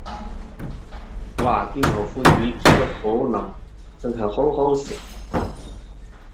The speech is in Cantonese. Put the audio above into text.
牛肉煮得好腍，真係好好食